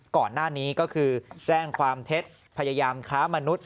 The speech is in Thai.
ก่อนหน้านี้ก็คือแจ้งความเท็จพยายามค้ามนุษย